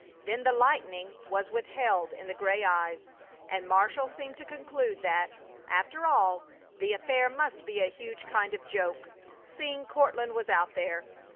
Then the lightning was withheld in the gray eyes, and Marshall seemed to conclude that, after all, the affair must be a huge kind of joke, seeing Courtland was out there.